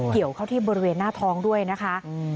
เกี่ยวเข้าที่บริเวณหน้าท้องด้วยนะคะ